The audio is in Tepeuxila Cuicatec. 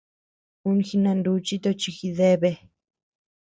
Un jinanuchi toch gideabe.